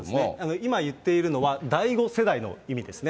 今、言っているのは第５世代の意味ですね。